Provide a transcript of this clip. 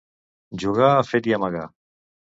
Jugar a fet i a amagar.